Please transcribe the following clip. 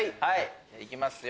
いきますよ。